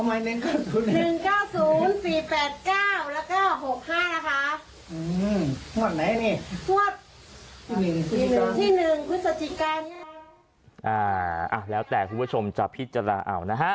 แล้วแต่คุณผู้ชมจะพิจารณาเอานะฮะ